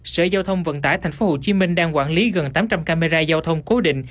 sở giao thông vận tải tp hcm đang quản lý gần tám trăm linh camera giao thông cố định